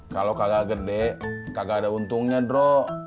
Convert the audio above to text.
kalau kagak gede kagak ada untungnya dro